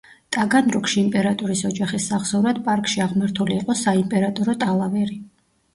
ტაგანროგში იმპერატორის ოჯახის სახსოვრად პარკში აღმართული იყო „საიმპერატორო ტალავერი“.